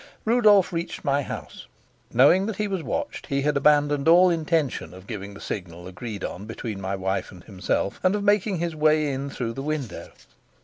Rudolf reached my house. Knowing that he was watched he had abandoned all intention of giving the signal agreed on between my wife and himself and of making his way in through the window.